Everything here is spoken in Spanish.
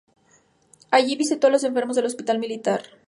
Allí visitó a los enfermos del hospital militar.